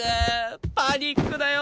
パニックだよ！